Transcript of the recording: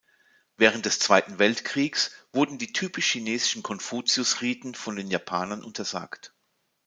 Während des Zweiten Weltkriegs wurden die typisch chinesischen Konfuzius-Riten von den Japanern untersagt.